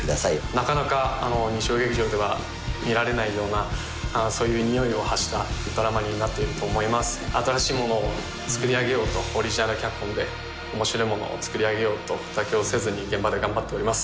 なかなか日曜劇場では見られないようなそういうにおいを発したドラマになっていると思います新しいものを作り上げようとオリジナル脚本で面白いものを作り上げようと妥協せずに現場で頑張っております